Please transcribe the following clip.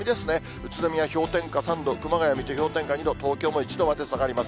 宇都宮氷点下３度、熊谷、水戸氷点下２度、東京も１度まで下がります。